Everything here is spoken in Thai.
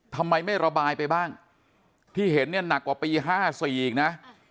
ทำไมไม่ระบายไปบ้างที่เห็นเนี่ยหนักกว่าปี๕๔อีกนะ